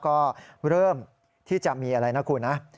ก็เริ่มที่จะมีอะไรนะคุณนะ